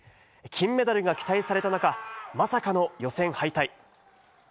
金メダルが期待された中、まさかの予選敗退。